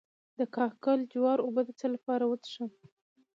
د کاکل جوار اوبه د څه لپاره وڅښم؟